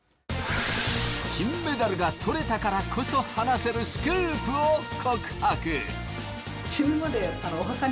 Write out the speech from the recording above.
金メダルがとれたからこそ話せるスクープを告白。